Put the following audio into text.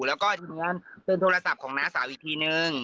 แล้วก็ทีนี้เป็นโทรศัพท์ของน้าสาวอีกทีนึง